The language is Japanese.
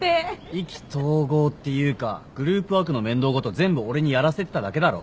意気投合っていうかグループワークの面倒事全部俺にやらせてただけだろ。